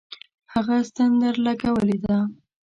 هغه ستن درلگولې ده.